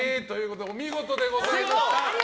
お見事でございました。